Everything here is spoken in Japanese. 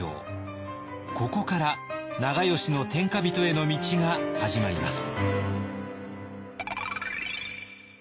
ここから長慶の天下人への道が始まります。